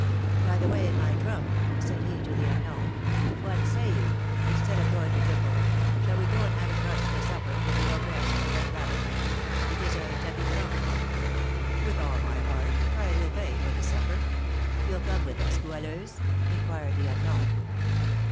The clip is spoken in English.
By the way, my trump," said he to the unknown, "what say you, instead of going to tipple, shall we go and have a crust for supper with the ogress at the White Rabbit? It is a tapis franc." "With all my heart. I will pay for the supper. You'll come with us, Goualeuse?" inquired the unknown.